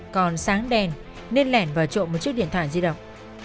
còn sáng đèn nên lẻn vào trộm một chiếc điện thoại di động